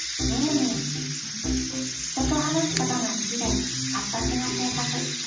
人と話すことが好きで活発な性格。